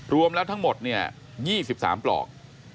รวมแล้วทั้งหมด๒๓ปลอก